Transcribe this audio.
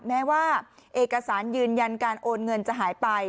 แม้ว่าเอกสารยืนยันการโอนเงินจะหายไป